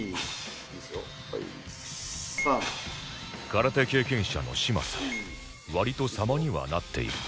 空手経験者の嶋佐割と様にはなっている